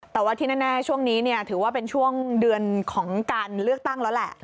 แต่ว่าที่แน่ช่วงนี้ถือว่าเป็นช่วงเดือนของการเลือกตั้งแล้วแหละ